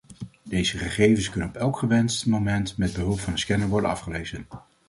Deze gegevens kunnen op elk gewenst moment met behulp van een scanner worden afgelezen.